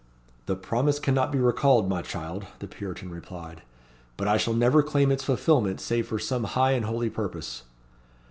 "The promise cannot be recalled, my child," the Puritan replied. "But I shall never claim its fulfilment save for some high and holy purpose."